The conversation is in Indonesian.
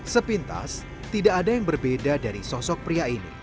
sepintas tidak ada yang berbeda dari sosok pria ini